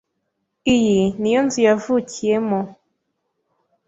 Iyi ni yo nzu yavukiyemo.